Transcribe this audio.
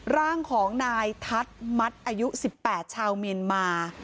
ร่างของนายทัศน์มัดอายุ๑๘ชาวเมียนมา